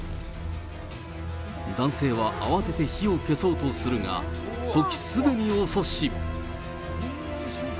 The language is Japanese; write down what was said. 男性は慌てて火を消そうとするが、時すでに遅し。